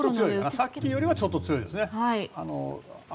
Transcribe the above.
さっきよりはちょっと強いですね。